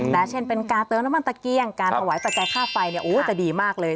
และเช่นเป็นการเติมน้ำมันตะเกียงการหวายประกายค่าไฟจะดีมากเลย